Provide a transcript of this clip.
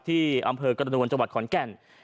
ที่อำเภอกระนวลจังหวัดขอนแก่น